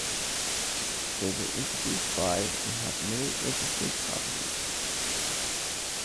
They were introduced by and have many interesting properties.